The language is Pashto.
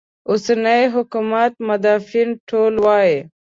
اوسني حکومت مدافعین ټول وایي.